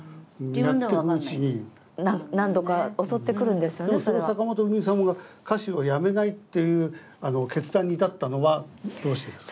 でも坂本冬美さんが歌手をやめないっていう決断に至ったのはどうしてですか？